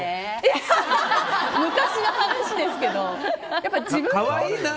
昔の話ですけど。